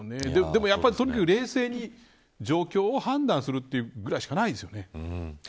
でもとにかく、冷静に状況を判断するというぐらいしかないですよね。